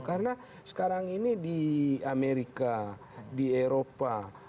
karena sekarang ini di amerika di eropa